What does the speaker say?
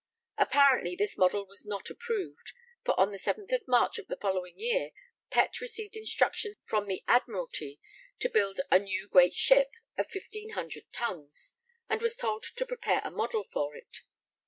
Apparently this model was not approved, for on 7th March of the following year Pett received instructions from the Admiralty to build a 'new great ship' of 1500 tons, and was told to prepare a 'model' for it.